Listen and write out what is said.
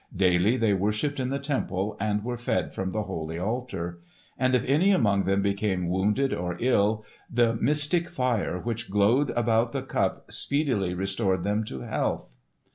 Daily they worshipped in the temple, and were fed from the holy altar. And if any among them became wounded or ill, the mystic fire which glowed about the Cup speedily restored them to health.